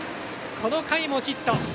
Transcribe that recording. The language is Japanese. この回もヒット。